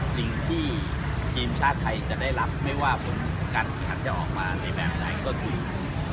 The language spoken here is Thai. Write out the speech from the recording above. สิ่งที่ทีมชาติไทยจะได้รับไม่ว่าผลการแข่งขันจะออกมาในแบบไหนก็คือ